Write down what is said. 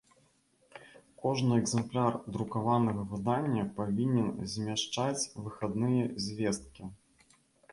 Кожны экзэмпляр друкаванага выдання павiнен змяшчаць выхадныя звесткi.